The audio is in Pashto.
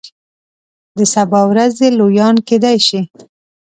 د سبا ورځې لویان کیدای شي.